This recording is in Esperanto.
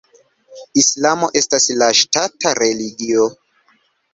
Islamo estas la ŝtata religio.